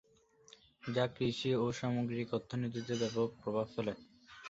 যা কৃষি ও সামগ্রিক অর্থনীতিতে ব্যাপক প্রভাব ফেলে।